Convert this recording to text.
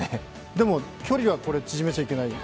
でも、距離は縮めちゃいけない。